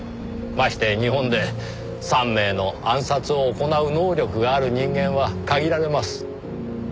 まして日本で３名の暗殺を行う能力がある人間は限られます。